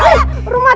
lu suka ngaruh